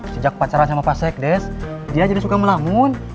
sejak pacaran sama pak sekdes dia jadi suka melamun